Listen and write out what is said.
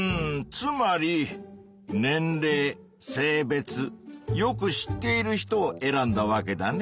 つまり年れい性別よく知っている人を選んだわけだね。